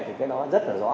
thì cái đó rất là rõ